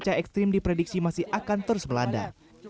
cuaca ekstrim diprediksi masih akan terus melanda